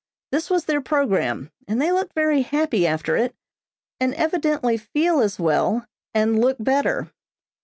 This was their program, and they look very happy after it, and evidently feel as well and look better.